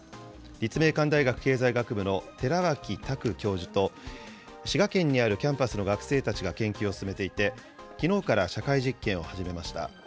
立命館大学経済学部の寺脇拓教授と、滋賀県にあるキャンパスの学生たちが研究を進めていて、きのうから社会実験を始めました。